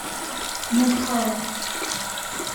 بوکان